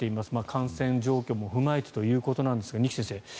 感染状況も踏まえてということなんですが二木先生